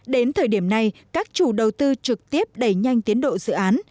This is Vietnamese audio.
đến thời điểm này các chủ đầu tư trực tiếp đẩy nhanh tiến độ dự án